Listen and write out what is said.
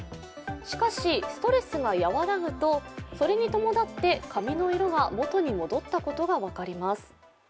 しかし、ストレスが和らぐとそれに伴って髪の色が元に戻ったことが分かります。